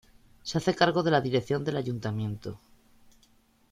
Se hace cargo de la dirección del Ayuntamiento.